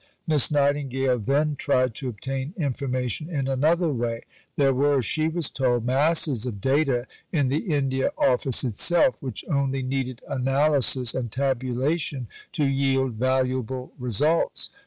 Miss Nightingale then tried to obtain information in another way. There were, she was told, masses of data in the India Office itself, which only needed analysis and tabulation to yield valuable results.